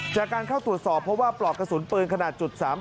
จากการเข้าตรวจสอบเพราะว่าปลอกกระสุนปืนขนาด๓๘